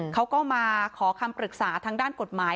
เขาก็มาขอคำปรึกษาทางด้านกฎหมาย